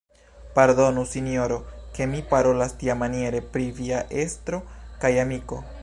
Pardonu, sinjoro, ke mi parolas tiamaniere pri via estro kaj amiko.